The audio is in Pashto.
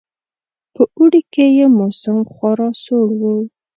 په اوړي کې یې موسم خورا سوړ وو.